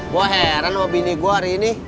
gue heran sama bini gue hari ini